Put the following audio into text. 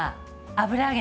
油揚げ！